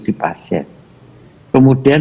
si pasien kemudian